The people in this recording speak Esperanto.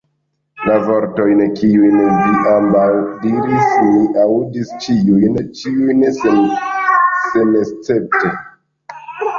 La vortojn, kiujn vi ambaŭ diris, mi aŭdis ĉiujn, ĉiujn senescepte.